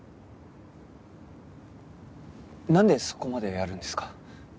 なんでそこまでやるんですか？